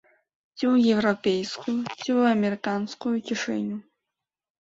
Ці ў еўрапейскую, ці ў амерыканскую кішэню.